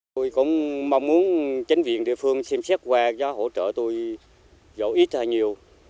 tôi cũng mong muốn chánh viện địa phương xem xét qua cho hỗ trợ tôi dẫu ít hay nhiều